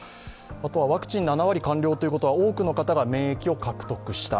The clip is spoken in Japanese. ワクチン７割完了ということは、多くの方が免疫を獲得した。